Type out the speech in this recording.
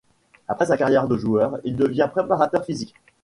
Après sa carrière de joueur, il devient préparateur physique.